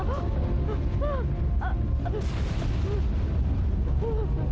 bagaimana itu bisa berhasil